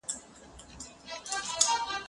زه به اوږده موده لوبه کړې وم،